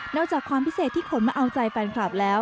จากความพิเศษที่ขนมาเอาใจแฟนคลับแล้ว